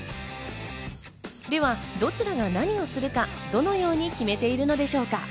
では、どちらが何をするかどのように決めているのでしょうか？